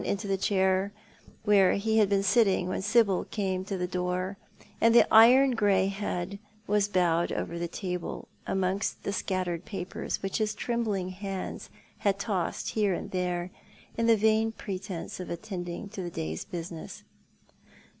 141 into the chair where he had been sitting when Sibyl came to the door, and the iron grey head was bowed over the lahle, amongst the scattered papers which his trembling hands had tossed here and there in the vain pretence of attending to the day's business.